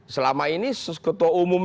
selama ini ketua umum